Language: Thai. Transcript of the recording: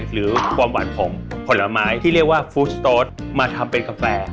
หรือความหวานของผลไม้ที่เรียกว่าฟู้สโต๊สมาทำเป็นกาแฟ